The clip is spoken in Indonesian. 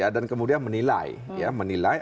dan kemudian menilai